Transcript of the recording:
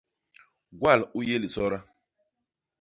Gwal u yé lisoda.